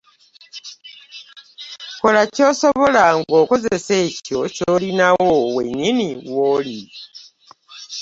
Kola ky’osobola ng’okozesa ekyo ky’olinaawo wennyini wooli